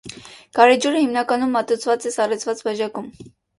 Գարեջուրը հիմնականում մատուցվում է սառեցված բաժակում։